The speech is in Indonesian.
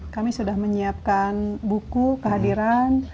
kami sudah menyiapkan buku kehadiran